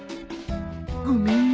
ごめんよ。